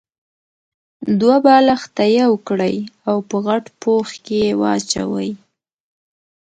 دوه بالښته يو کړئ او په غټ پوښ کې يې واچوئ.